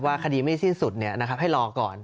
ว่าคดีไม่ที่สิ้นสุดให้รอก่อน